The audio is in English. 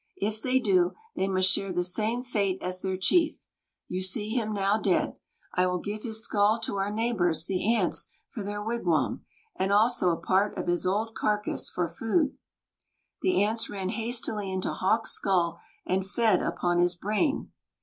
If they do, they must share the same fate as their chief. You see him now dead. I will give his skull to our neighbors, the ants, for their wigwam, and also a part of his old carcass for food." The ants ran hastily into Hawk's skull, and fed upon his brain.